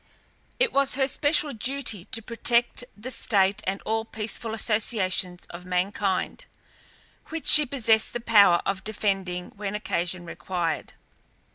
It was her especial duty to protect the state and all peaceful associations of mankind, which she possessed the power of defending when occasion required.